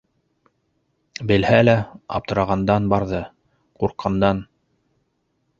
Белһә лә, аптырағандан барҙы, ҡурҡҡандан.